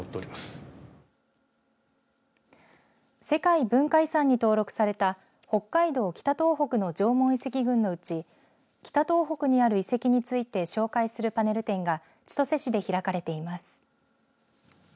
世界文化遺産に登録された北海道・北東北の縄文遺跡群のうち北東北にある遺跡について紹介するパネル展が千歳市で開かれています。